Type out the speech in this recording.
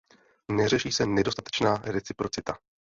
Neřeší se nedostatečná reciprocita.